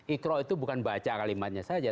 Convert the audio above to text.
ikro itu bukan baca kalimatnya saja